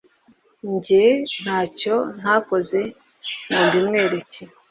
Nge ntacyo nta koze ngo mbi mwereke